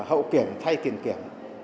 hậu kiểm thay tiền kiểm